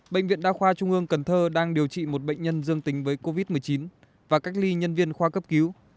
bệnh viện đa khoa trung ương cần thơ đang điều trị một bệnh nhân dương tính với covid một mươi chín và cách ly nhân viên khoa cấp cứu